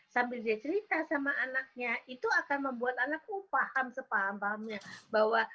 sambil dia cerita sama anaknya itu akan membuat anakku paham sepaham pahamnya bahwa